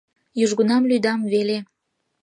Южгунам лӱдам веле...